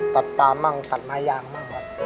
ตัดปลามั่งตัดไม้ยางมากกว่า